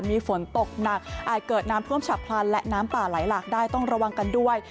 มีฝนตกหนักอาจเกิดน้ำท่วมฉับพลันและน้ำป่าไหลหลากได้ต้องระวังกันด้วย